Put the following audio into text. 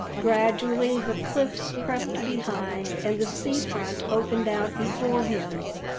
Gradually the cliffs crept behind, and the seafront opened out before him.